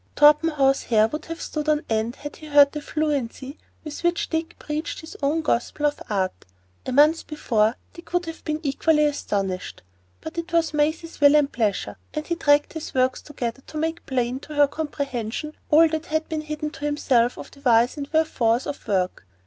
Torpenhow's hair would have stood on end had he heard the fluency with which Dick preached his own gospel of Art. A month before, Dick would have been equally astonished; but it was Maisie's will and pleasure, and he dragged his words together to make plain to her comprehension all that had been hidden to himself of the whys and wherefores of work.